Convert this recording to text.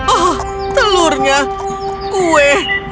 oh telurnya kue